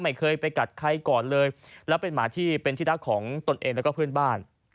ไม่เคยไปกัดใครก่อนเลยแล้วเป็นหมาที่เป็นที่รักของตนเองแล้วก็เพื่อนบ้าน